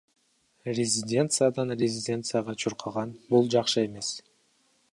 Резиденциядан резиденцияга чуркаган — бул жакшы эмес.